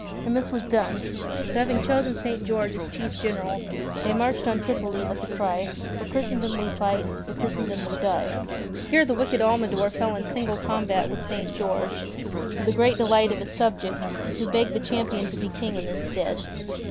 And this was done. So, having chosen St. George as Chief General they marched on Tripoli with the cry : "For Christendom we fight, For Christendom we die." Here the wicked Almldor fell in single combat with St. George, to the great delight of his subjects, who begged the Champion to be King in his stead.